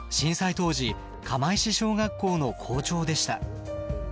当時釜石小学校の校長でした。